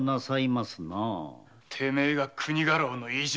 てめえが国家老の飯島